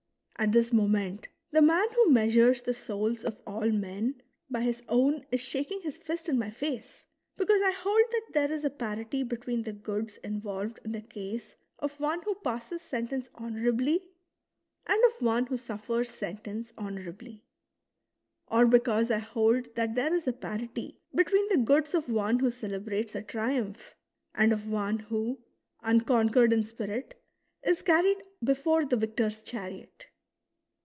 At this moment the man who measures the souls of all men by his own is shaking his fist in my face because I hold that there is a parity between the goods in volved in the case of one who passes sentence honourably, and of one who suffers sentence honour ably ; or because I hold that there is a parity between the goods of one who celebrates a triumph, and of one who, unconquered in spirit, is carried before the victor's chariot.